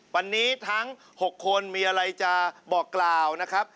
วันนี้ทั้ง๖คนมีอะไรจะบอกกล่าวนะครับ